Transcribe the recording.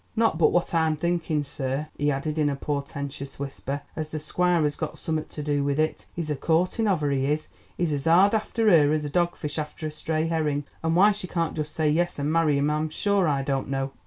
Not but what I'm thinking, sir," he added in a portentous whisper, "as the squire has got summut to do with it. He's a courting of her, he is; he's as hard after her as a dog fish after a stray herring, and why she can't just say yes and marry him I'm sure I don't know."